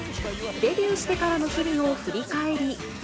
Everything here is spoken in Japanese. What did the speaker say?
デビューしてからの日々を振り返り。